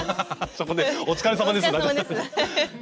そこね「お疲れさまです」。